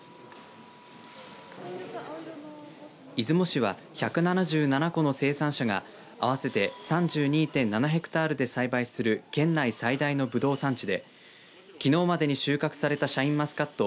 出雲市は１７７戸の生産者が合わせて３２．７ヘクタールで栽培する県内最大のぶどう産地できのうまでに収穫されたシャインマスカット